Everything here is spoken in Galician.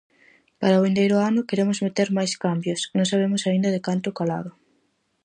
Para o vindeiro ano queremos meter máis cambios, non sabemos aínda de canto calado.